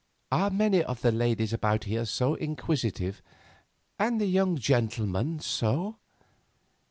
"Are many of the ladies about here so inquisitive, and the young gentlemen so?"